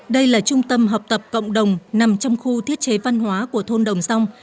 đây là trung tâm học tập cộng đồng nằm trong khu thiết chế văn hóa của thôn đồng song